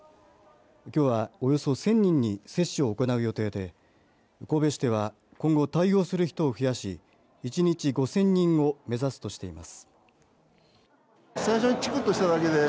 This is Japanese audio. きょうは、およそ１０００人に接種を行う予定で神戸市では今後対応する人を増やし１日５０００人を目指すとしています。